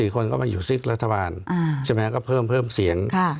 ๔คนก็มาอยู่ซิกรัฐบาลก็เพิ่มเสียง